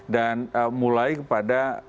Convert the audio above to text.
dan mulai pada